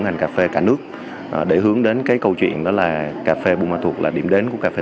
ngành cà phê cả nước để hướng đến cái câu chuyện đó là cà phê bù mà thuộc là điểm đến của cà phê